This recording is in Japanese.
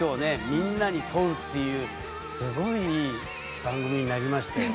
みんなに問うっていうすごいいい番組になりましたよ。